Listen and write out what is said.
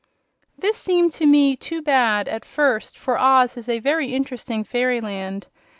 This seemed to me too bad, at first, for Oz is a very interesting fairyland.